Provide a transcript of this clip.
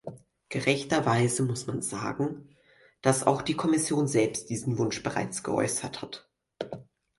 Gerechterweise muss man sagen, dass auch die Kommission selbst diesen Wunsch bereits geäußert hat.